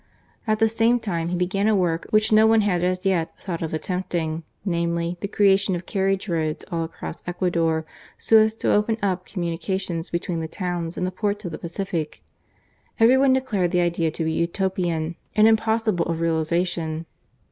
At the same time he began a work which no one had as yet thought of attempting: namely, the creation of carriage roads all across Ecuador so as to open up communications between the towns and the ports of the Pacific. Every one declared the idea to be Utopian and impossible of realization.